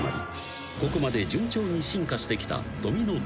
ここまで順調に進化してきたドミノ倒し］